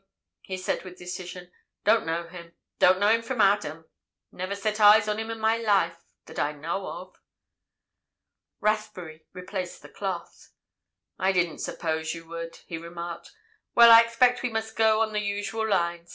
he said with decision. "Don't know him—don't know him from Adam. Never set eyes on him in my life, that I know of." Rathbury replaced the cloth. "I didn't suppose you would," he remarked. "Well, I expect we must go on the usual lines.